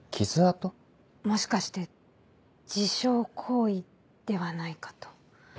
もしかして自傷行為ではないかと。